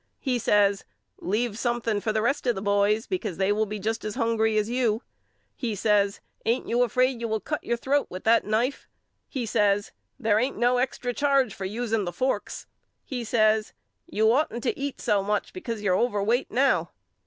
He says Leave something for the rest of the boys because they will be just as hungry as you. He says Ain't you afraid you will cut your throat with that knife. He says There ain't no extra charge for using the forks. He says You shouldn't ought to eat so much be cause you're overweight now.